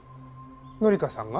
紀香さんが？